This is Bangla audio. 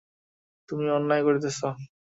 তুমি অন্যায় করিতেছ।